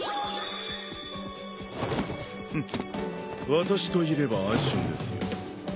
フッ私といれば安心ですよ。